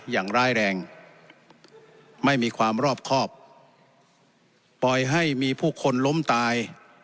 อย่างร้ายแรงไม่มีความรอบครอบปล่อยให้มีผู้คนล้มตาย